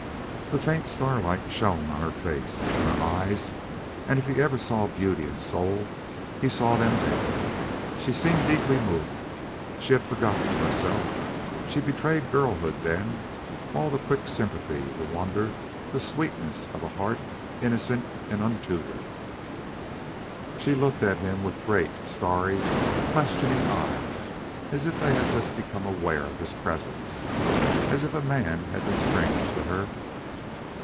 The faint starlight shone on her face, in her eyes, and if he ever saw beauty and soul he saw them then. She seemed deeply moved. She had forgotten herself. She betrayed girlhood then all the quick sympathy, the wonder, the sweetness of a heart innocent and untutored. She looked at him with great, starry, questioning eyes, as if they had just become aware of his presence, as if a man had been strange to her.